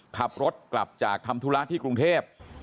ขับรถกลับจากทำธุระที่กรุงเทพ